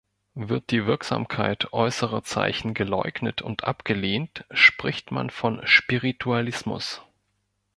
Wird die Wirksamkeit äußerer Zeichen geleugnet und abgelehnt, spricht man von Spiritualismus.